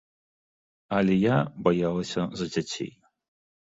Але я баялася за дзяцей.